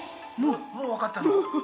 もう分かったの？